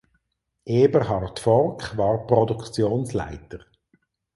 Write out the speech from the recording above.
Eberhard Forck war Produktionsleiter.